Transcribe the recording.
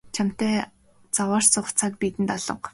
Чамтай заваарч суух цаг бидэнд алга.